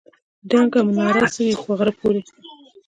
دنګه مناره څه وي په غره پورې.